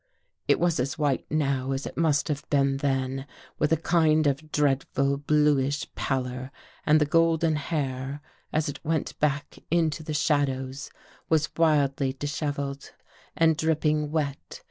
It was as white now as It must have been then, with a kind of dreadful, bluish pallor and the golden hair, as It went back Into the shadows, was wildly disheveled and dripping wet.